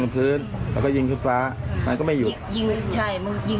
พื้นแล้วก็ยิงขึ้นฟ้ามันก็ไม่หยุดยิงใช่มึงยิง